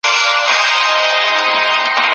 اړیکې اوس تر پخوا ډېرې سوې دي.